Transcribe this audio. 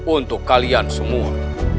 untuk kalian semua